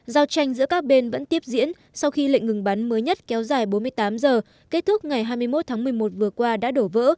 giao tranh giữa các bên vẫn tiếp diễn sau khi lệnh ngừng bắn mới nhất kéo dài bốn mươi tám giờ kết thúc ngày hai mươi một tháng một mươi một vừa qua đã đổ vỡ